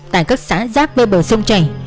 tại các xã giáp bê bờ sông chảy